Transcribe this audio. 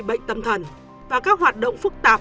bệnh tâm thần và các hoạt động phức tạp